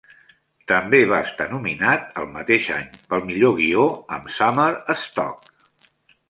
També va estar nominat el mateix any pel millor guió amb Summer Stock.